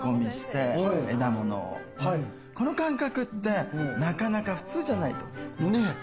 この感覚ってなかなか普通じゃない。